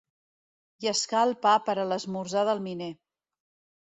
Llescar el pa per a l'esmorzar del miner.